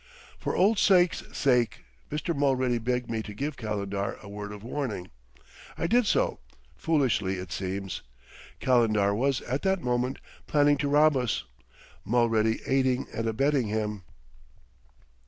For old sake's sake, Mr. Mulready begged me to give Calendar a word of warning. I did so foolishly, it seems: Calendar was at that moment planning to rob us, Mulready aiding and abetting him."